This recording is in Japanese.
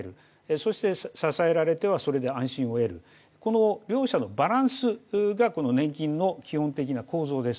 そして支えられ手はそれで安心を得る、この両者のバランスが年金の基本的な構造です。